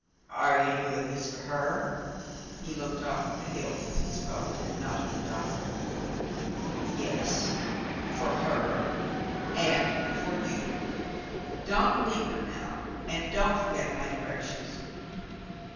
"Are you doin' this fer her.?" He looked off at the hills as he spoke, and not at the doctor. "Yes, for her and for you. Don't linger now, and don't forget my directions."